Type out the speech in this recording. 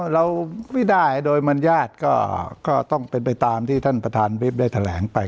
เราไม่ได้โดยมัญญาติก็ต้องเป็นไปตามที่ท่านประธานวิบได้แถลงไป